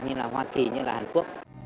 như là hoa kỳ như là hàn quốc